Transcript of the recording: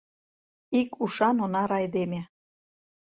Ик ушан онар айдеме...